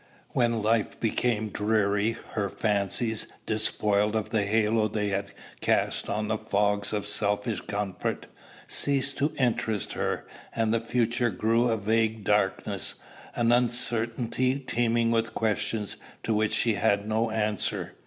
When life became dreary, her fancies, despoiled of the halo they had cast on the fogs of selfish comfort, ceased to interest her; and the future grew a vague darkness, an uncertainty teeming with questions to which she had no answer.